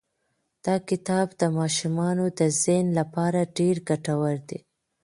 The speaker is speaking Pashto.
دا کتاب د ماشومانو د ذهن لپاره ډېر ګټور دی.